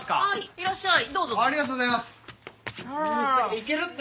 いらっしゃい。